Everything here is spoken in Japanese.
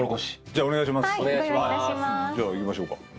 じゃあ行きましょうか。